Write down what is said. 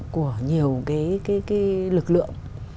của nhiều cái lực lượng